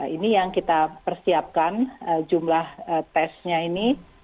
ini yang kita persiapkan jumlah tesnya ini